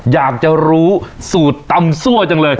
อยากจะรู้สูตรตำซั่วจังเลย